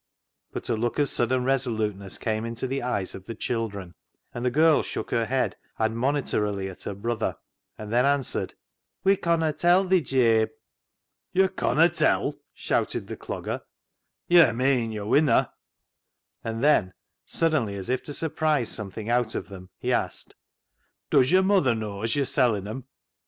" But a look of sudden resoluteness came into the eyes of the children, and the girl shook her head admonitorily at her brother, and then answered —" We conna tell thi, Jabe." " Yo' conna tell," shouted the Clogger ;" yo' meean yo' winna." And then, suddenly, as if to surprise some thing out of them, he asked —" Does yur muther knaw as yur sellin' 'em